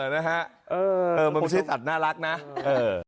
นะฮะเออมันไม่ใช่สัตว์น่ารักนะเออ